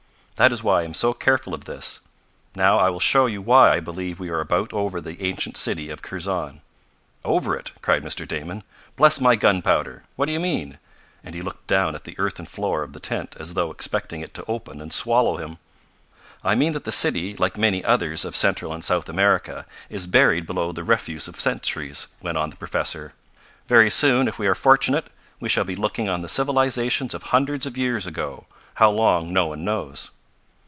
That is why I am so careful of this. Now I will show you why I believe we are about over the ancient city of Kurzon." "Over it!" cried Mr. Damon. "Bless my gunpowder! What do you mean?" and he looked down at the earthen floor of the tent as though expecting it to open and swallow him. "I mean that the city, like many others of Central and South America, is buried below the refuse of centuries," went on the professor. "Very soon, if we are fortunate, we shall be looking on the civilization of hundreds of years ago how long no one knows.